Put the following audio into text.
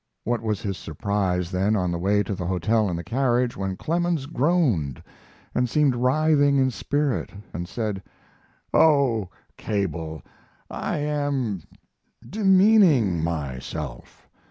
What was his surprise, then, on the way to the hotel in the carriage, when Clemens groaned and seemed writhing in spirit and said: "Oh, Cable, I am demeaning myself.